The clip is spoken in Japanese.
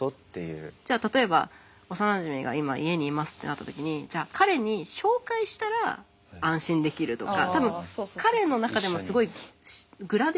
じゃあ例えば幼なじみが今家にいますってなった時にじゃあ彼に紹介したら安心できるとか多分彼の中でもすごいグラデーションがあると思ってて。